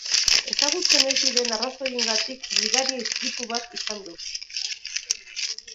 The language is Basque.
Ezagutzen ez diren arrazoiengatik, gidaria istripu bat izan du.